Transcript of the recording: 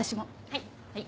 はい。